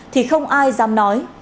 thì không ai dám nói